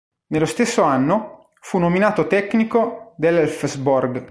Nello stesso anno, fu nominato tecnico dell'Elfsborg.